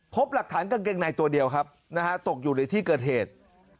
พบหลักฐานกางเกงในตัวเดียวครับนะฮะตกอยู่ในที่เกิดเหตุ